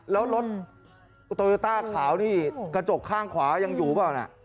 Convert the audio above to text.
แล้วรถโตโยต้าขาวนี่กระจกข้างขวายังอยู่เปล่านะ